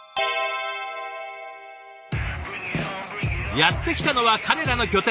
やって来たのは彼らの拠点